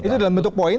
itu dalam bentuk poin